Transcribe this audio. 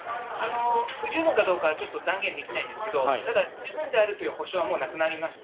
不十分かどうか、ちょっと断言できないんですけど、ただ、十分であるという保証はもうなくなりました。